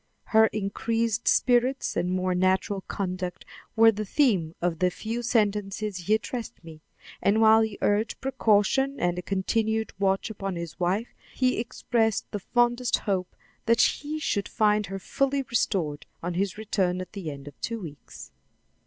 Her increased spirits and more natural conduct were the theme of the few sentences he addressed me, and while he urged precaution and a continued watch upon his wife, he expressed the fondest hope that he should find her fully restored on his return at the end of two weeks.